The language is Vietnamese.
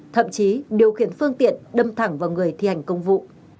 thậm chí điều khiển phương tiện đâm thẳng vào người thi hành công vụ